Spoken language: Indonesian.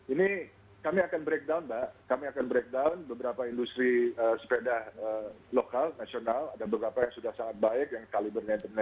ini kami akan break down mbak kami akan break down beberapa industri sepeda lokal nasional ada beberapa yang sudah sangat baik yang kalibernya internasional